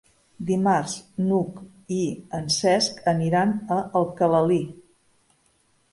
Dimarts n'Hug i en Cesc aniran a Alcalalí.